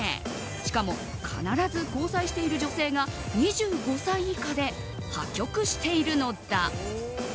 しかも必ず交際している女性が２５歳以下で破局しているのだ。